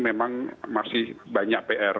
memang masih banyak pr